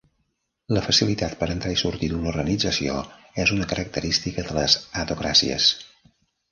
La facilitat per entrar i sortir d'una organització és una característica de les adhocràcies.